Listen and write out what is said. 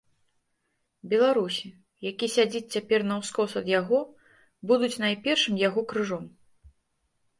Беларусі, які сядзіць цяпер наўскос ад яго, будуць найпершым яго крыжом.